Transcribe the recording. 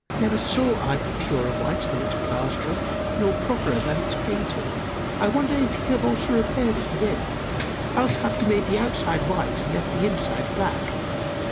Never saw I a purer white than its plastering nor properer than its painting! I wonder if he have also repaired it within: else hath he made the outside white and left the inside black.